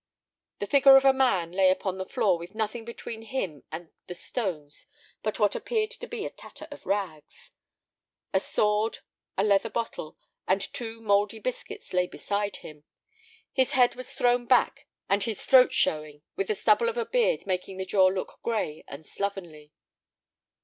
The figure of a man lay upon the floor with nothing between him and the stones but what appeared to be a tatter of rags. A sword, a leather bottle, and two mouldy biscuits lay beside him. His head was thrown back and his throat showing, with the stubble of a beard making the jaw look gray and slovenly.